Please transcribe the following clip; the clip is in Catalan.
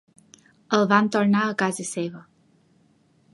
El van tornar a casa seva..